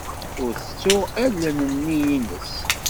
Ur tettuɣ allen-nni-ines.